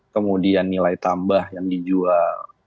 kemudian nilai tambah yang dijual